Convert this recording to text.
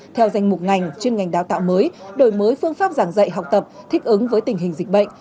theo danh mục ngành chuyên ngành đào tạo mới đổi mới phương pháp giảng dạy học tập thích ứng với tình hình dịch bệnh